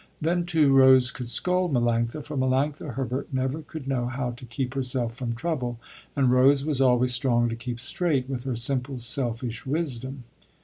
Then, too, Rose could scold Melanctha, for Melanctha Herbert never could know how to keep herself from trouble, and Rose was always strong to keep straight, with her simple selfish wisdom.